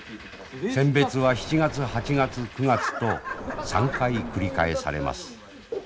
選別は７月８月９月と３回繰り返されます。